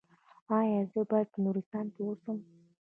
ایا زه باید په نورستان کې اوسم؟